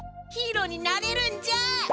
ヒーローになれるんじゃ！